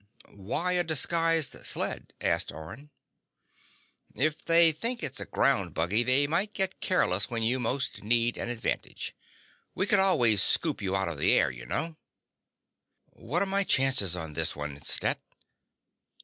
"Why a disguised sled?" asked Orne. "If they think it's a ground buggy, they might get careless when you most need an advantage. We could always scoop you out of the air, you know." "What're my chances on this one, Stet?"